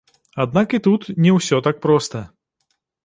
Аднак і тут не ўсё так проста.